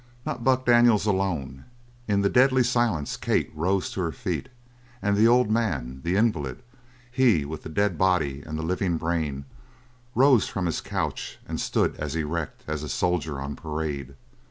Not Buck Daniels alone. In the deadly silence Kate rose to her feet; and the old man, the invalid he with the dead body and the living brain, rose from his couch and stood as erect as a soldier on parade.